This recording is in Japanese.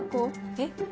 えっ？